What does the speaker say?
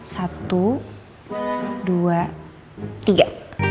satu dua tiga